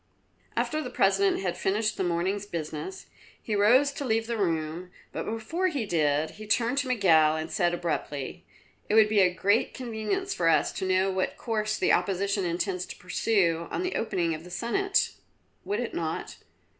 After the President had finished the morning's business, he rose to leave the room, but before he did so he turned to Miguel and said abruptly: "It would be a great convenience for us to know what course the Opposition intends to pursue on the opening of the Senate, would it not?"